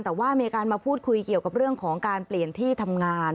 แต่ว่ามีการมาพูดคุยเกี่ยวกับเรื่องของการเปลี่ยนที่ทำงาน